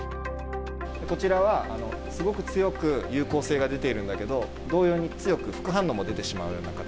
こちらは、すごく強く有効性が出ているんだけど、同様に強く副反応も出てしまうような方。